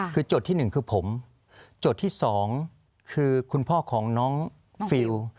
คือโจทย์ที่๑คือผมโจทย์ที่๒คือคุณพ่อของน้องฟิล